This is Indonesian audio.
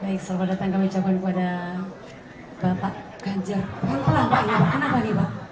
baik selamat datang kebicaraan pada bapak ganjar